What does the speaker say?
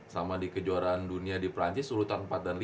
sama di kejuaraan dunia di perancis urutan empat dan lima